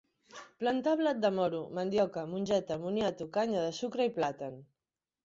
Plantà blat de moro, mandioca, mongeta, moniato, canya de sucre i plàtan.